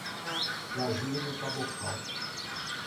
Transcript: Lajedo do Tabocal